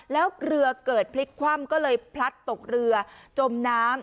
แล้วเรือเกิดพลิกคว่ำก็เลยพลัดตกเรือจมน้ำ